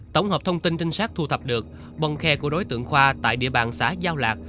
tổng hợp thông tin trinh sát thu thập được bon khe của đối tượng khoa tại địa bàn xã giao lạc